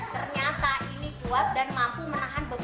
ternyata ini kuat dan mampu membuat kita merasa sedih